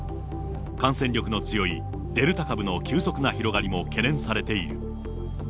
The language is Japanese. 感染力の強いデルタ株の急速な広がりも懸念されている。